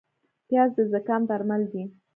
پیاز د زکام درمل دی